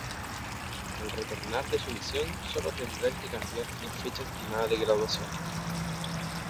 Al retornar de su misión sólo tendrán que cambiar la fecha estimada de graduación.